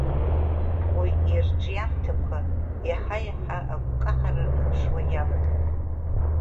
Уи ирҿиамҭақәа иаҳаиаҳа агәкаҳара рныԥшуа иалагеит.